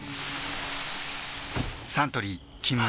サントリー「金麦」